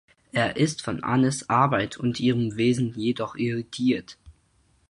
Er ist von Annes Arbeit und ihrem Wesen jedoch irritiert.